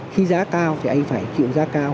khi giá cao thì anh phải chịu giá cao